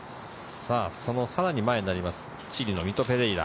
さぁ、そのさらに今になります、チリのミト・ペレイラ。